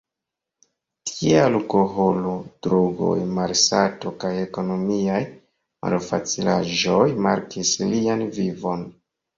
Tie alkoholo, drogoj, malsato kaj ekonomiaj malfacilaĵoj markis lian vivon.